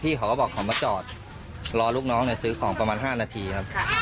เขาก็บอกเขามาจอดรอลูกน้องซื้อของประมาณ๕นาทีครับ